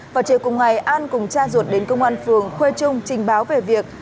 vào chiều cùng ngày an cùng cha ruột đến công an phường khuê trung trình báo về việc